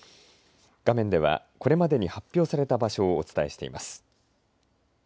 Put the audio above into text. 画面では、これまでに発表された場所をお伝えしています。